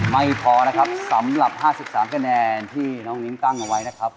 ไม่พอนะครับสำหรับ๕๓คะแนนที่น้องนิ้งตั้งเอาไว้นะครับ